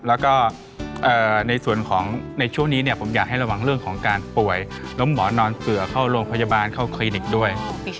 แล้วก็ในส่วนของในช่วงนี้เนี่ยผมอยากให้ระวังเรื่องของการป่วยแล้วหมอนอนเผื่อเข้าโรงพยาบาลเข้าคลินิกด้วย